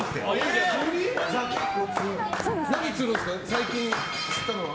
最近釣ったのは？